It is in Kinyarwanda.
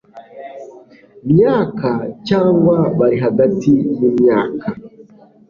myaka cyangwa bari hagati y imyaka